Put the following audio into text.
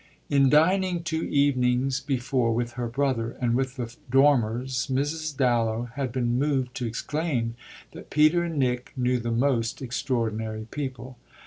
In dining two evenings before with her brother and with the Dormers Mrs. Dallow had been moved to exclaim that Peter and Nick knew the most extraordinary people.